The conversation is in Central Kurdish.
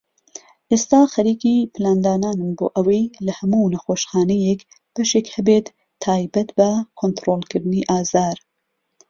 ئێستا خەریكی پلاندانانم بۆ ئەوەی لە هەموو نەخۆشخانەیەك بەشێك هەبێت تایبەت بە كۆنترۆڵكردنی ئازار